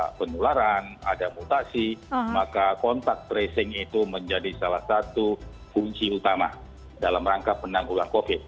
ada penularan ada mutasi maka kontak tracing itu menjadi salah satu fungsi utama dalam rangka penanggulan covid